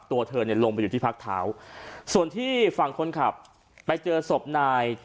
ตัวเธอเนี่ยลงไปอยู่ที่พักเท้าส่วนที่ฝั่งคนขับไปเจอศพนาย